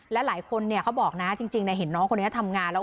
และหลายคนเนี่ยเขาบอกนะจริงเห็นน้องคนนี้ทำงานแล้ว